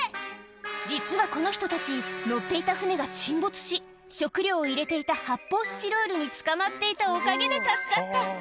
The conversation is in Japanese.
実はこの人たち、乗っていた船が沈没し、食料を入れていた発泡スチロールにつかまっていたおかげで助かった。